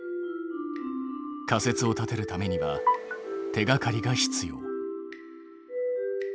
仮説を立てるためには手がかりが必要。